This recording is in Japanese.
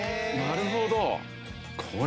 なるほど！